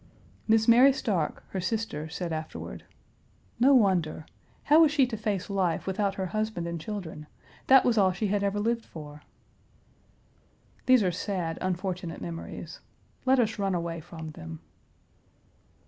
Miss Mary Stark, her sister, said afterward, "No wonder! How was she to face life without her husband and children? That was all she had ever lived for." These are sad, unfortunate memories. Let us run away from them.